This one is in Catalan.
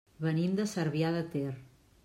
Venim de Cervià de Ter.